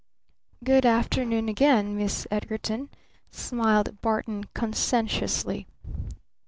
"Good afternoon again, Miss Edgarton," smiled Barton conscientiously.